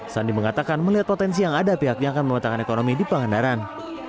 sandi mengatakan melihat potensi yang ada pihaknya akan memetakan ekonomi di pangandaran